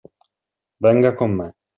Venga con me.